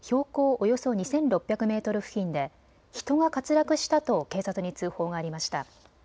およそ２６００メートル付近で人が滑落したと警察に通報がありました。